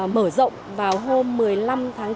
mở rộng vào hôm một mươi năm tháng chín